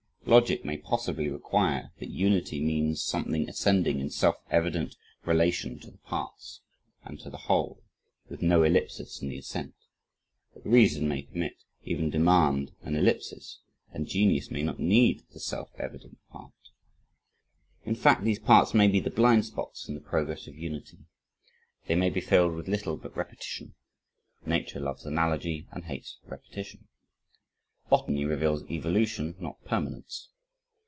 Logic may possibly require that unity means something ascending in self evident relation to the parts and to the whole, with no ellipsis in the ascent. But reason may permit, even demand an ellipsis, and genius may not need the self evident part. In fact, these parts may be the "blind spots" in the progress of unity. They may be filled with little but repetition. "Nature loves analogy and hates repetition." Botany reveals evolution not permanence.